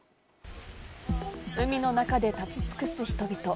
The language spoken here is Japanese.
海の中で立ち尽くす人々。